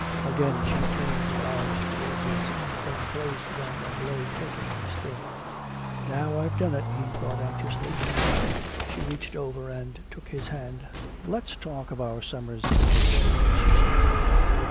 Again she turned her eyes toward his, then closed them and lay perfectly still. "Now I've done it," he thought anxiously. She reached over and took his hand. "Let's talk of our summer's vacation," she said.